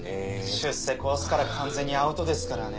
出世コースから完全にアウトですからね。